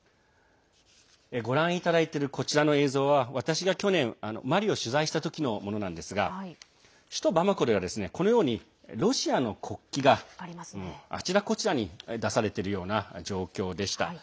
ご覧いただいている映像は私が去年マリを取材した時のものですが首都バマコでは、ロシアの国旗があちらこちらに出されているような状況でした。